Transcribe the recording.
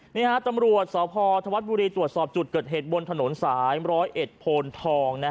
นี่ฮะตำรวจสพธวัฒนบุรีตรวจสอบจุดเกิดเหตุบนถนนสาย๑๐๑โพนทอง